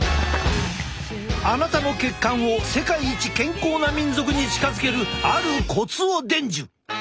あなたの血管を世界一健康な民族に近づけるあるコツを伝授！